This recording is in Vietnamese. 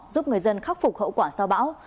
giúp người dân khắc phục hậu quả sao bão